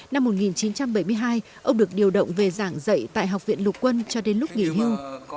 năm một nghìn chín trăm bảy mươi hai ông được điều động về giảng dạy tại học viện lục quân cho đến lúc nghỉ hưu